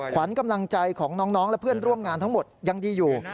ขวัญกำลังใจของน้องและเพื่อนร่วมงานทั้งหมดยังดีอยู่